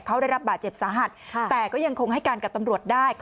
เขาได้รับบาดเจ็บสาหัสแต่ก็ยังคงให้การกับตำรวจได้